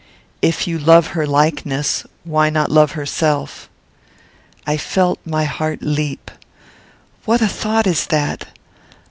"If you love her likeness, why not love herself?" I felt my heart leap. "What a thought is that!